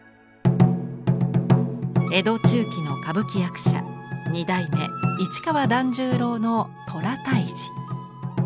江戸中期の歌舞伎役者二代目市川団十郎の虎退治。